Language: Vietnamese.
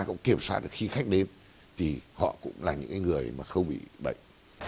họ kiểm soát được khi khách đến thì họ cũng là những người mà không bị bệnh